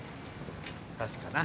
確かな。